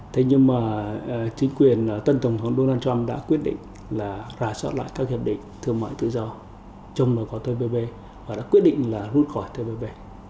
thế nhưng mà chính quyền tân tổng thống donald trump đã quyết định là rải soát lại các hiệp định thương mại tự do trong nội quả tpp và đã quyết định là rút khỏi tpp